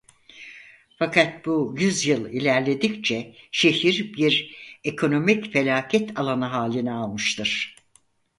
Fakat bu yüzyıl ilerledikçe şehir bir ekonomik felaket alanı halini almıştır.